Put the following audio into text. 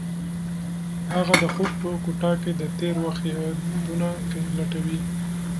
هغه د خوب په کوټه کې د تېر وخت یادونه لټوي.